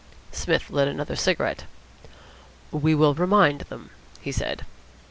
Psmith lit another cigarette. "We will remind them," he said.